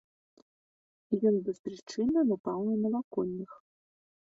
Ён беспрычынна напаў на навакольных.